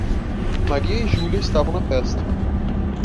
Maria e Júlia estavam na festa.